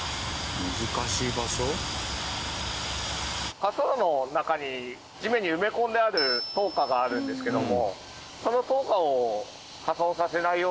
滑走路の中に地面に埋め込んである灯火があるんですけども。